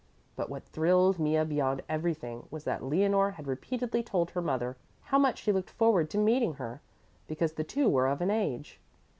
But what thrilled Mea beyond everything was that Leonore had repeatedly told her mother how much she looked forward to meeting her, because the two were of an age.